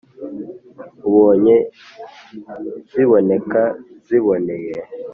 Ubonye ziboneka ziboneye